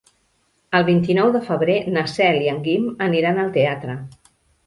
El vint-i-nou de febrer na Cel i en Guim aniran al teatre.